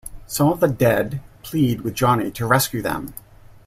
Some of the dead plead with Johnny to rescue them.